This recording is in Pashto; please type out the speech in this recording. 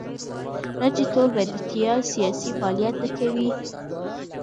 دا چې ټول متدینان سیاسي فعالیت نه کوي.